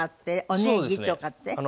おネギとかって？